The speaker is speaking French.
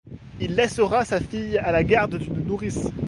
Il laissera sa fille à la garde d'une nourrice.